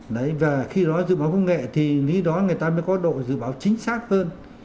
đấy và khi nói dự báo công nghệ thì lý đó người ta mới có độ dự báo chính xác hơn